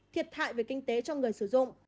thiệt hại về kinh tế cho người sử dụng